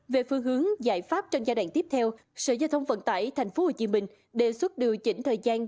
về phương hướng giải pháp trong giai đoạn tiếp theo sở giao thông vận tải tp hcm đề xuất điều chỉnh thời gian